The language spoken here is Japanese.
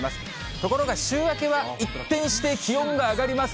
ところが週明けは、一転して気温が上がります。